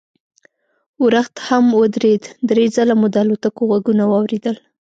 ورښت هم ودرېد، درې ځله مو د الوتکو غږونه واورېدل.